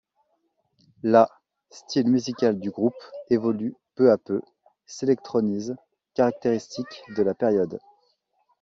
La style musical du groupe évolue peu à peu, s'électronise, caractéristique de la période.